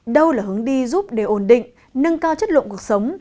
đâu là hướng đi giúp để ổn định nâng cao chất lượng cuộc sống